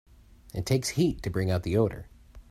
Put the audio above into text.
It takes heat to bring out the odor.